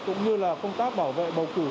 cũng như là công tác bảo vệ bầu cử